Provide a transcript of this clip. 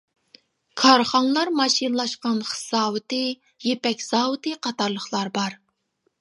كارخانىلار ماشىنىلاشقان خىش زاۋۇتى، يىپەك زاۋۇتى قاتارلىقلار بار.